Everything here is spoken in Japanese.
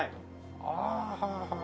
ああはあはあ。